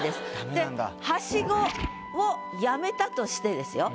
で「はしご」をやめたとしてですよ